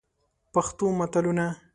پښتو متلونه: